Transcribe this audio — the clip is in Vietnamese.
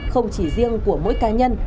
không chỉ riêng của mỗi ca nhân